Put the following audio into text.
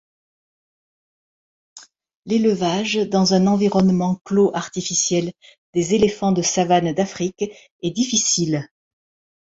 L'élevage dans un environnement clos artificiel des éléphants de savane d'Afrique est difficile.